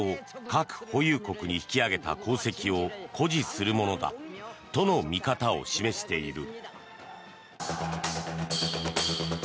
・核保有国に引き上げた功績を誇示するものだとの見方を示している。